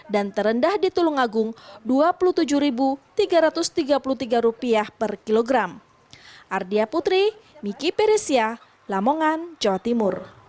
dan terendah di tulungagung rp dua puluh tujuh tiga ratus tiga puluh tiga per kilogram